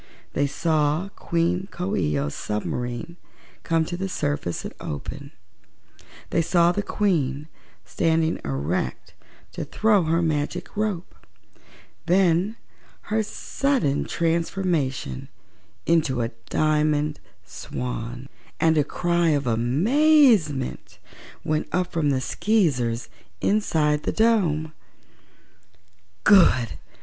They saw Queen Coo ee oh's submarine come to the surface and open; they saw the Queen standing erect to throw her magic rope; they saw her sudden transformation into a Diamond Swan, and a cry of amazement went up from the Skeezers inside the dome. "Good!"